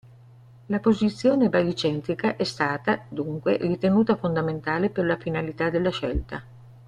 La posizione baricentrica è stata, dunque, ritenuta fondamentale per la finalità della scelta.